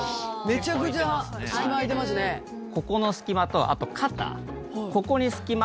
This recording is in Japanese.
ここの隙間とあと肩。